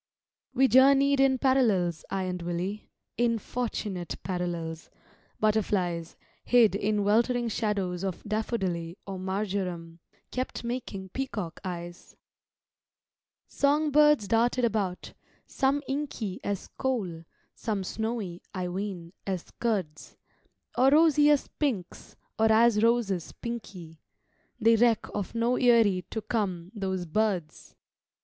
We journeyed in parallels, I and Willie, In fortunate parallels! Butterflies, Hid in weltering shadows of daffodilly Or marjoram, kept making peacock eyes: Songbirds darted about, some inky As coal, some snowy (I ween) as curds; Or rosy as pinks, or as roses pinky— They reck of no eerie To come, those birds!